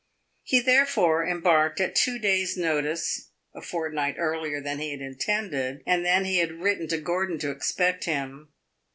He therefore embarked at two days' notice, a fortnight earlier than he had intended and than he had written to Gordon to expect him.